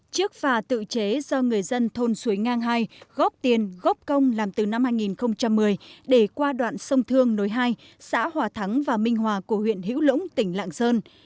chiếc phà tự chế do người dân thôn suối ngang hai góp tiền góp công làm từ năm hai nghìn một mươi để qua đoạn sông thương nối hai xã hòa thắng và minh hòa của huyện hữu lũng tỉnh lạng sơn